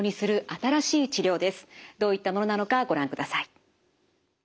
どういったものなのかご覧ください。